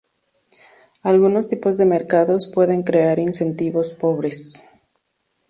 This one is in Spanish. Algunos tipos de mercados pueden crear incentivos pobres.